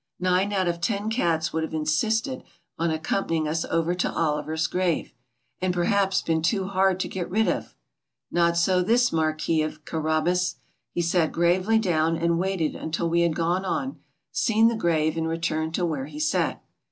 Nine out often cats would have insisted on accompan ying us over to Oliver's grave, and perhaps been too hard to get rid of. Not so this Marquis of Carabas. He sat gravely down and waited until we had gone on, seen the grave and returned to where he sat.